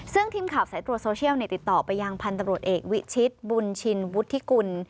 ซึ่งทีมข่าวสายตรวจโซเชียลติดต่อไปยังพันธบรวจเอกวิชิตบุญชินวุฒิกุล